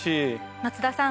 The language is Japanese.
松田さん